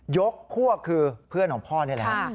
ยกพวกคือเพื่อนของพ่อนี่แหละ